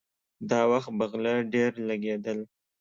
دا وخت به غله ډېر لګېدل.